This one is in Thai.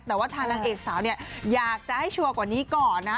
แต่ว่าทางนางเอกสาวเนี่ยอยากจะให้ชัวร์กว่านี้ก่อนนะ